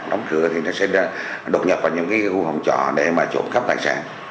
đóng cửa thì ta sẽ đột nhập vào những khu hồng trọ để mà trộm khắp tài sản